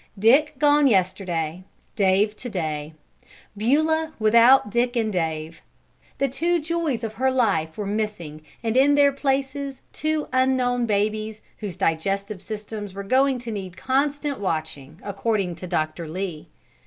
Dick gone yesterday, Dave to day; Beulah without Dick and Dave! The two joys of her life were missing and in their places two unknown babies whose digestive systems were going to need constant watching, according to Dr. Lee.